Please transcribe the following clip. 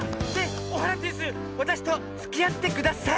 オハランティウスわたしとつきあってください。